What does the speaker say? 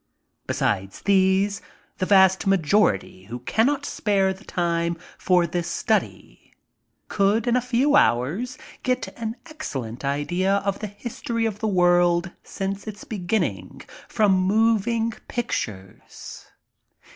Besides these, the vast ma jority who cannot ^are the time for this study, could m a few hours get an excellent idea of the history of the world since its beginning, from moving pictures.